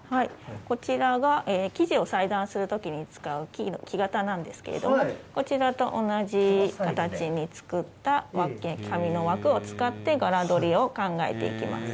こちらが生地を裁断するときに使う木型なんですけれども、こちらと同じ形に作った紙の枠を使って柄取りを考えていきます。